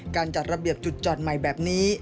จัดระเบียบจุดจอดใหม่แบบนี้